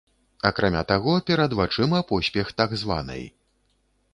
Акрамя таго, перад вачыма поспех так званай.